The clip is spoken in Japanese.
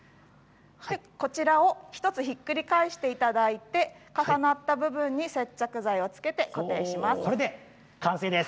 １つをひっくり返していただいて重なった部分に接着剤を付けて完成です。